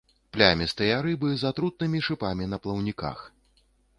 Плямістыя рыбы з атрутнымі шыпамі на плаўніках.